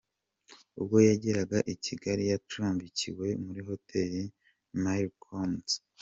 Ubwo yageraga i Kigali, yacumbikiwe muri Hotel Milles Collines.